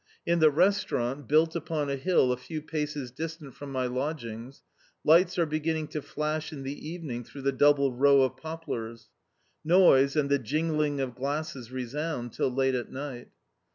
In the restaurant, built upon a hill a few paces distant from my lodgings, lights are beginning to flash in the evening through the double row of poplars; noise and the jingling of glasses resound till late at night.